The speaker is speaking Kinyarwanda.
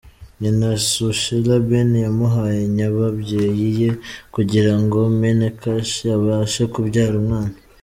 Nyina Sushila Ben yamuhaye nyababyeyi ye kugira ngo Meenakshi abashe kubyara umwana.